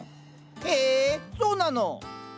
へえそうなの。